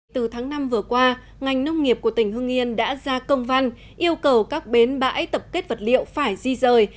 từ tháng năm vừa qua ngành nông nghiệp của tỉnh hưng yên đã ra công văn yêu cầu các bến bãi tập kết vật liệu phải di rời